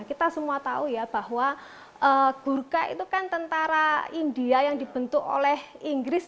kita semua tahu ya bahwa gurka itu kan tentara india yang dibentuk oleh inggris